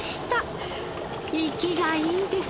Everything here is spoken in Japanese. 生きがいいですね。